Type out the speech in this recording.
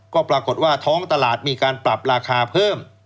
ก็ปรากฏว่าท้องตลาดมีการปรับราคาเพิ่ม